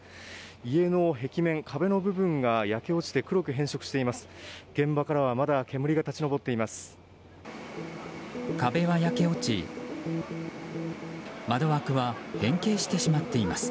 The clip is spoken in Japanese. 家の壁の部分が焼け落ちて黒く変色しています。